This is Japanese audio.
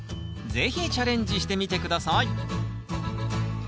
是非チャレンジしてみて下さい。